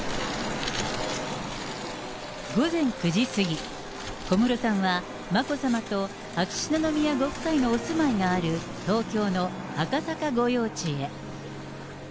午前９時過ぎ、小室さんは眞子さまと秋篠宮ご夫妻のお住まいがある東京の赤坂御用地へ。